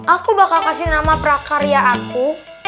aku bakal kasih nama prakarya aku